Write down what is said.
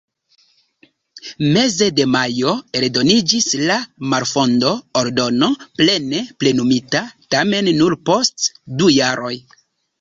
Meze de majo eldoniĝis la malfondo-ordono, plene plenumita tamen nur post du jaroj.